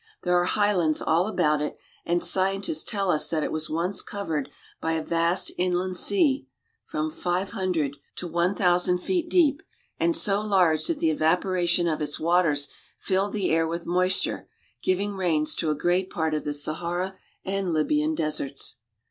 There are highlands 1 3 about it, and scientists tell us that it was once covered I r a vast inland sea from five hundred to one thousand I 226 AFRICA feet deep, and so large that the evaporation of its waters filled the air with moisture, giving rains to a great part of the Sahara and Libyan deserts.